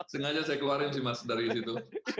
sengaja saya keluarin sih mas dari situ